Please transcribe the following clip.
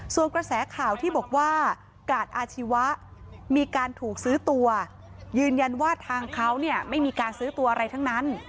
ส่วนกระแสข่าวที่บอกว่ากาดอาชีวะมีการถูกซื้อตัวยืนยันว่าทางเขาเนี่ยไม่มีการซื้อตัวอะไรทั้งนั้น